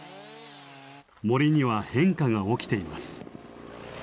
森には変化が起きています。